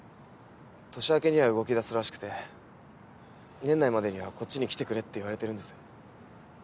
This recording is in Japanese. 年明けには動きだすらしくて年内までにはこっちに来てくれって言われてるんです。